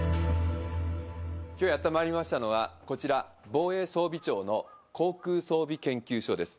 きょうやって参りましたのは、こちら、防衛装備庁の航空装備研究所です。